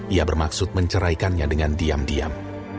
ia bermaksud menceraikannya dengan diam diam